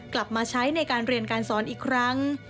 กลับมาใช้ในการเรียนการสอนอีกครั้ง